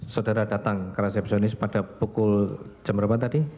saudara datang ke resepsionis pada pukul jam berapa tadi